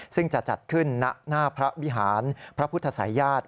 ซึ่งจะจัดขึ้นณหน้าพระวิหารพระพุทธศัยญาติ